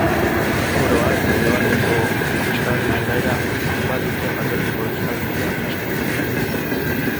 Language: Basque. Oro har, Mendebaleko euskararen aldaera bat dute jatorrizko euskalkia eskualdean.